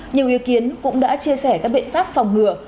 nhiều ý kiến cũng đã chia sẻ các biện pháp phòng ngừa